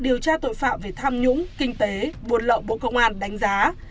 điều tra tội phạm về tham nhũng kinh tế buồn lợi bộ công an đánh giá